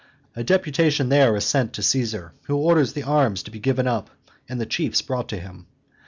A deputation there anent is sent to Caesar, who orders the arms to be given up and the chiefs brought to him.